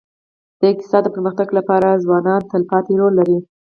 د اقتصاد د پرمختګ لپاره ځوانان تلپاتې رول لري.